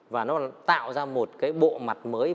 và nó tạo ra một cái bộ mặt mới